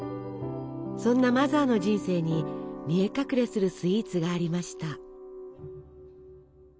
そんなマザーの人生に見え隠れするスイーツがありました。